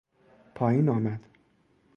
پایین آمد